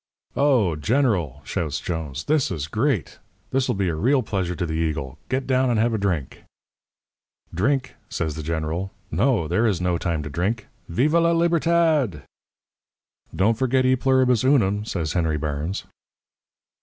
"'Oh, General,' shouts Jones, 'this is great. This will be a real pleasure to the eagle. Get down and have a drink.' "'Drink?' says the general. 'No. There is no time to drink. Viva la Libertad!' "'Don't forget E Pluribus Unum!' says Henry Barnes.